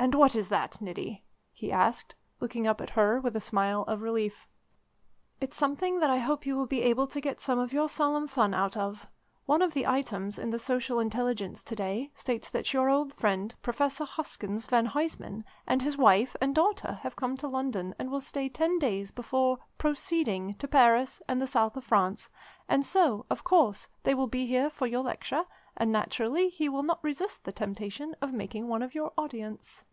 and what is that, Niti?" he asked, looking up at her with a smile of relief. "It's something that I hope you will be able to get some of your solemn fun out of. One of the items in the 'Social Intelligence' to day states that your old friend, Professor Hoskins van Huysman, and his wife and daughter have come to London, and will stay ten days before 'proceeding' to Paris and the South of France, and so, of course, they will be here for your lecture, and naturally he will not resist the temptation of making one of your audience."